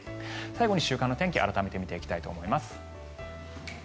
最後に週間天気を改めて見ていきたいと思います。